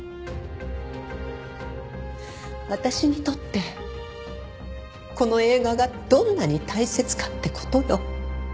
私にとってこの映画がどんなに大切かって事よ！